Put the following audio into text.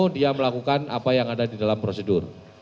dia melakukan apa yang ada di dalam prosedur